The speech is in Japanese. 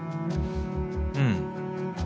うん。